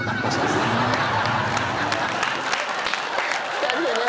２人でね。